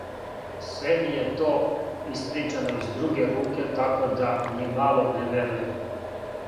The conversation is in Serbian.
Sve mi je to ispričano iz druge ruke tako da ni malo ne verujem.